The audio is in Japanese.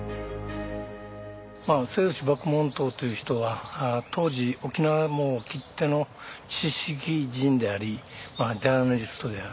末吉麦門冬という人は当時沖縄きっての知識人でありジャーナリストである。